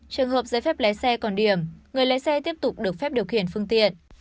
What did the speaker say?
trường hợp giấy phép lái xe còn điểm người lái xe tiếp tục được phép điều khiển phương tiện